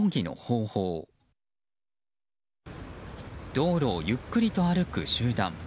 道路をゆっくりと歩く集団。